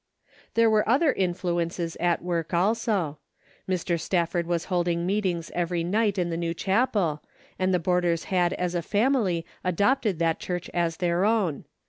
There were other influences at work also. Mr. Stafford was holding meetings every night in the new chapel, and the boarders had as a family adopted, that church as their own.